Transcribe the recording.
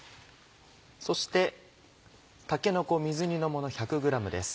そしてたけのこ水煮のもの１００ｇです。